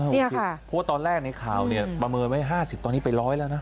เพราะว่าตอนแรกในข่าวเนี่ยประเมินไว้๕๐ตอนนี้ไป๑๐๐แล้วนะ